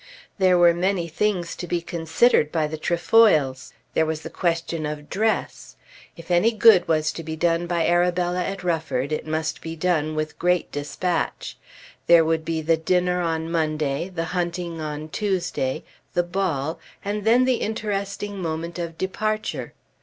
There were many things to be considered by the Trefoils. There was the question of dress. If any good was to be done by Arabella at Rufford it must be done with great despatch. There would be the dinner on Monday, the hunting on Tuesday, the ball, and then the interesting moment of departure.